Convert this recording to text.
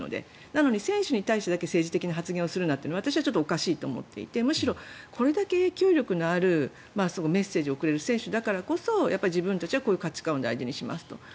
なのに選手に対してだけ政治的な発言をするなというのは私はおかしいと思っていてむしろ、これだけ影響力のあるメッセージを送れる選手だからこそ自分たちはこういう価値観を大事にしますと。